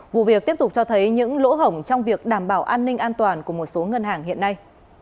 vụ việc tiếp tục cho thấy những lỗ hổng trong việc đảm bảo an ninh an toàn của một số ngân hàng hiện nay